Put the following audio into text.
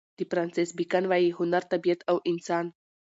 د فرانسیس بېکن وايي: هنر طبیعت او انسان.